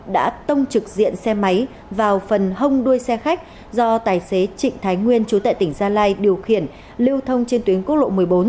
đã tông trực diện xe máy vào phần hông đuôi xe khách do tài xế trịnh thái nguyên chú tệ tỉnh gia lai điều khiển lưu thông trên tuyến quốc lộ một mươi bốn